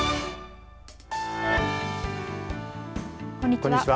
こんにちは。